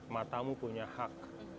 matamu punya hak